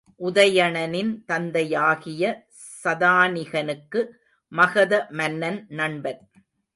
உதயணனின் தந்தையாகிய சதானிகனுக்கு மகத மன்னன் நண்பன்.